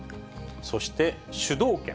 そして、主導権。